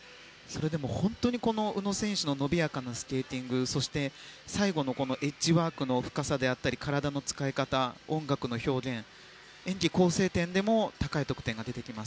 宇野選手の伸びやかなスケーティングそして、最後のエッジワークの深さであったり体の使い方、音楽の表現演技構成点でも高い得点が出てきます。